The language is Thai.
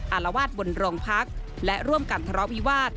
อารวาสบนโรงพักและร่วมกันทะเลาะวิวาส